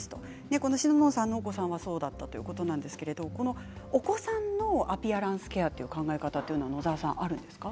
この方のお子さんはそうだったということですがお子さんのアピアランスケアという考え方はあるんですか？